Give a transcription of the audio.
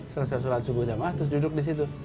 selesai sholat subuh jamaah terus duduk di situ